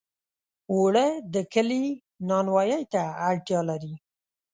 اوړه د کلي نانوایۍ ته اړتیا لري